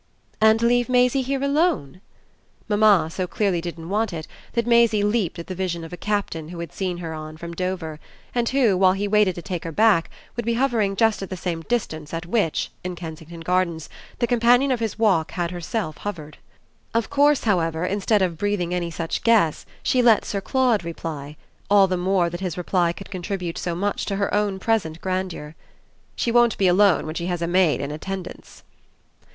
"And leave Maisie here alone?" Mamma so clearly didn't want it that Maisie leaped at the vision of a Captain who had seen her on from Dover and who, while he waited to take her back, would be hovering just at the same distance at which, in Kensington Gardens, the companion of his walk had herself hovered. Of course, however, instead of breathing any such guess she let Sir Claude reply; all the more that his reply could contribute so much to her own present grandeur. "She won't be alone when she has a maid in attendance."